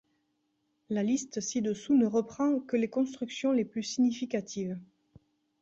La liste ci-dessous ne reprend que les constructions les plus significatives.